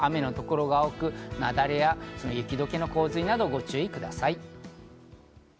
北日本でも雨の所が多く、雪崩や雪どけの洪水などにご注意ください。